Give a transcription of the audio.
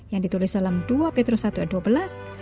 yang ditulis dalam dua petrus satu dua belas